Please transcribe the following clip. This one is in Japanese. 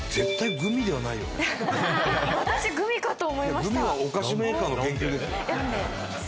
グミはお菓子メーカーの研究ですよ。